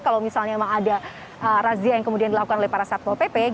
kalau misalnya memang ada razia yang kemudian dilakukan oleh para satpol pp